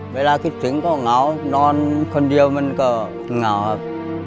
เวลาคิดถึงก็เหงานอนคนเดียวมันก็เหงาครับ